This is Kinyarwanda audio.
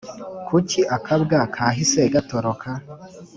Kuki akabwa kahise gatoroka ?